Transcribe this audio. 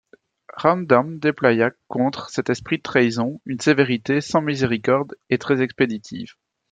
Rawdon déploya contre cet esprit de trahison une sévérité sans miséricorde et très expéditive.